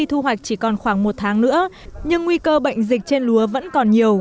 thu hoạch chỉ còn khoảng một tháng nữa nhưng nguy cơ bệnh dịch trên lúa vẫn còn nhiều